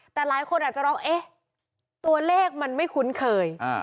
แต่หลายคนอาจจะร้องเอ๊ะตัวเลขมันไม่คุ้นเคย